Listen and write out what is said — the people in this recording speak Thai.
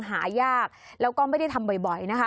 หายากแล้วก็ไม่ได้ทำบ่อยนะคะ